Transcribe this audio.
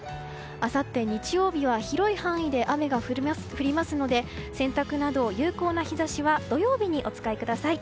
あさって日曜日は広い範囲で雨が降りますので洗濯など有効な日差しは土曜日にお使いください。